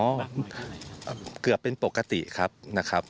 ก็เกือบเป็นปกติครับนะครับ